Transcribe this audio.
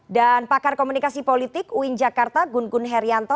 dan pakar komunikasi politik uin jakarta gun gun herianto